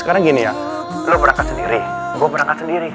karena gini ya lu berangkat sendiri gua berangkat sendiri